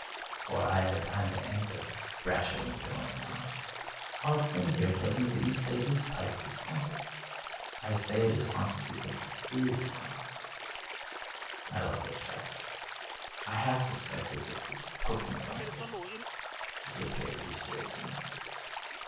Before I had time to answer. Brasher went droning on :" Our friend here tells me that you say this pipe is haunted." " I say it is haunted because it is haunted." I looked at Tress. I half suspected that he was poking fun at us. But he appeared to be serious enough.